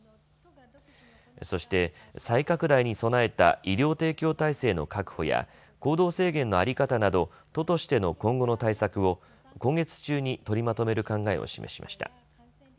そして再拡大に備えた医療提供体制の確保や行動制限の在り方など都としての今後の対策を今月中に取りまとめる考えを示しました。